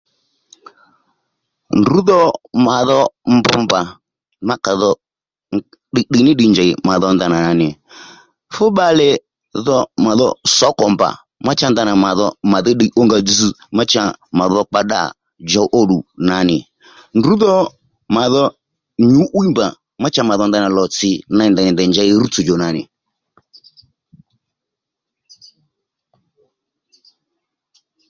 Ndrǔ dho mà dho mbr mbà má kà dho ddiy ddiy ní ddiy njèy mà dho ndanà nì fú bbalè dho mà dho sǒko mba má cha ndanà mà dho màdhí ddiy ó nga dzz má cha mà dho kpa ddâ djow ó ddù nà nì ndrǔ dho mà dho nyǔ'wiy mbà ma cha mà dho ndanà lò tsì ney ndèy nì ndèy njèy rútsò jò nà nì